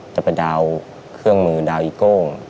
จะเป็นดาวเครื่องมือดาวอีโก้ง